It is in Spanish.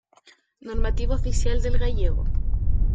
Normativa Oficial del Gallego.